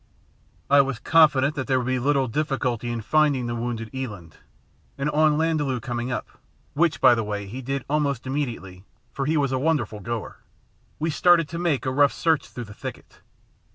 I was confident that there would be little difficulty in finding the wounded eland, and on Landaalu coming up which, by the way, he did almost immediately, for he was a wonderful goer we started to make a rough search through the thicket.